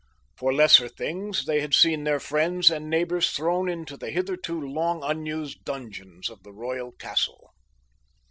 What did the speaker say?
For lesser things they had seen their friends and neighbors thrown into the hitherto long unused dungeons of the royal castle.